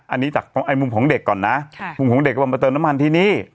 อันนี้จากมุมของเด็กก่อนนะมุมของเด็กว่ามาเติมน้ำมันที่นี่